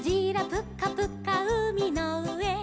プカプカうみのうえ」